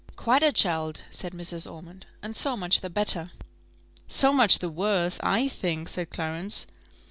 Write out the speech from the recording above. "Quite a child," said Mrs. Ormond; "and so much the better." "So much the worse, I think," said Clarence.